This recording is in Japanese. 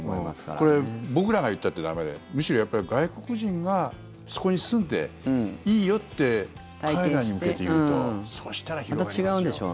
これ僕らが言ったって駄目でむしろ、外国人がそこに住んでいいよって海外に向けて言うとそしたら広まりますよ。